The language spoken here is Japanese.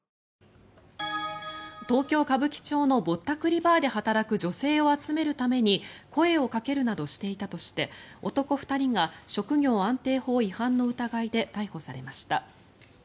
東京・歌舞伎町のぼったくりバーで働く女性を集めるために声をかけるなどしていたとして男２人が職業安定法違反の疑いで逮捕されました。